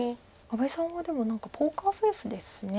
阿部さんはでも何かポーカーフェースですね。